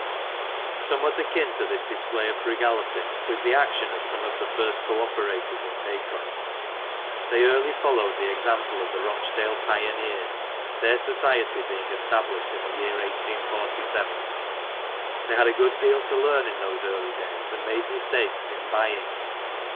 Somewhat akin to this display of frugality was the action of some of the first co operators in Bacup. They early followed the example of the Rochdale Pioneers, their Society being established in the year 1847. They had a good deal to learn in those early days, and made mistakes in buying.